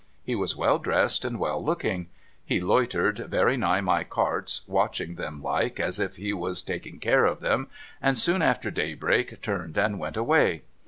He was well dressed and well looking. He loitered very nigh my carts, watching them like as if he was taking care of them, and soon after daybreak turned and went away.